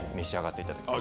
いただきます。